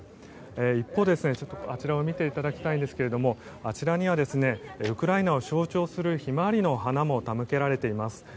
一方、あちらを見ていただきたいんですがあちらにはウクライナを象徴するヒマワリの花も手向けられています。